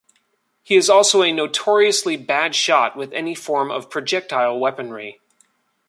He is also a notoriously bad shot with any form of projectile weaponry.